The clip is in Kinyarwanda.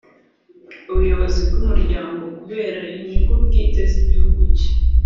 ubuyobozi bw'umuryango kubera inyungu bwite z'igihugu cye.